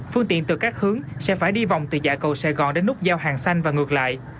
phương tiện từ các hướng sẽ phải đi vòng từ dạ cầu sài gòn đến nút giao hàng xanh và ngược lại